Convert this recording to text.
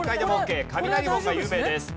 雷門が有名です。